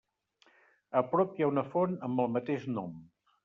A prop hi ha una font amb el mateix nom.